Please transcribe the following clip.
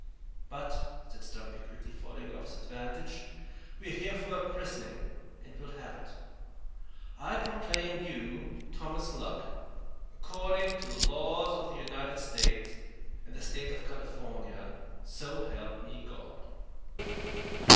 "But," said Stumpy, quickly following up his advantage, "we're here for a christening, and we'll have it. I proclaim you Thomas Luck, according to the laws of the United States and the State of California, so help me God."